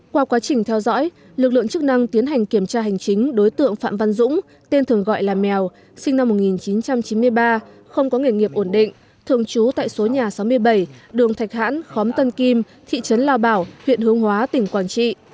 qua quá trình theo dõi lực lượng chức năng tiến hành kiểm tra hành chính đối tượng phạm văn dũng tên thường gọi là mèo sinh năm một nghìn chín trăm chín mươi ba không có nghề nghiệp ổn định thường trú tại số nhà sáu mươi bảy đường thạch hãn khóm tân kim thị trấn lao bảo huyện hướng hóa tỉnh quảng trị